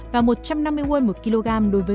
và một trăm năm mươi won một kg đối với